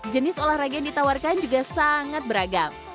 jenis olahraga yang ditawarkan juga sangat beragam